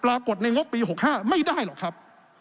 ปรากฏในงบปี๖๕ไม่ได้หรอกครับ